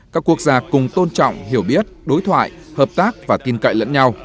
các quốc gia cùng tôn trọng hiểu biết đối thoại hợp tác và tin cậy lẫn nhau